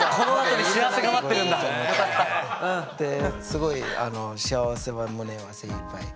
すごい幸せは胸はせいいっぱい。